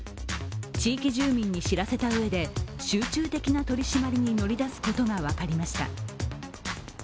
地域住民に知らせたうえで集中的な取り締まりに乗り出すことが分かりました。